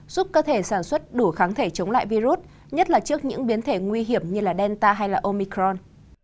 giúp cơ thể sản xuất đủ kháng thể chống lại virus nhất là trước những biến thể nguy hiểm như delta hay omicron